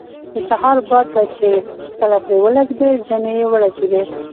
د سهار باد به چې کله پرې ولګېده زنې یې وړچېدې.